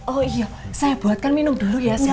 oh iya saya buatkan minum dulu ya chef